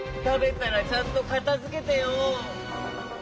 たべたらちゃんとかたづけてよ。